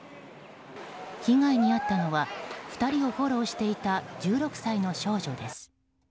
被害に遭ったのは２人をフォローしていた１６歳の少女です。